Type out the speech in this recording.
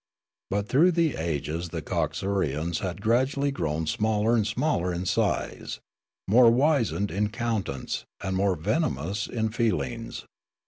But through the ages the Coxurians had graduall}' grown smaller and smaller in size, more wizened in countenance, and more venomous in feel ings.